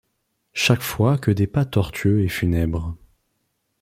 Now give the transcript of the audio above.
Chaque fois que des pas tortueux et funèbres